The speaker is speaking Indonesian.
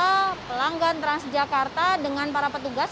saya berbincang dengan pelanggan transjakarta dengan para petugas